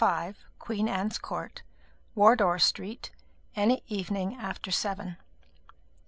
5, Queen Anne's Court, Wardour Street, any evening after seven."